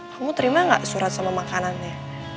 kamu terima gak surat sama makanannya